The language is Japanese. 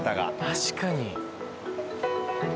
確かに。